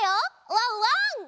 ワンワン！